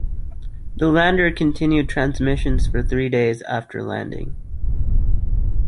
The lander continued transmissions for three days after landing.